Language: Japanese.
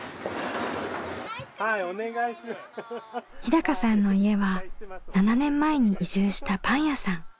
日さんの家は７年前に移住したパン屋さん。